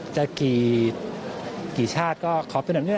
จะกี่ชาติก็ขอเป็นแบบนี้